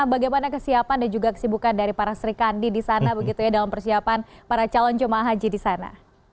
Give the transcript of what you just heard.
bagaimana kesiapan dan juga kesibukan dari para serikandi di sana dalam persiapan para calon jemaah haji di sana